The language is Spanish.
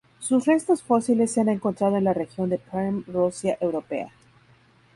Sus restos fósiles se han encontrado en la región de Perm, Rusia europea.